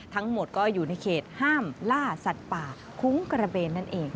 ทั้งหมดก็อยู่ในเขตห้ามล่าสัตว์ป่าคุ้งกระเบนนั่นเอง